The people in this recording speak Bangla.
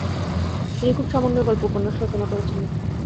তিনি খুব সামান্যই গল্প-উপন্যাস রচনা করেছিলেন।